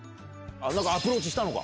なんかアプローチしたのか。